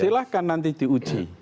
silahkan nanti diuji